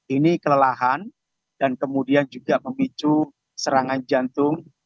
ini kelelahan dan kemudian juga memicu serangan jantung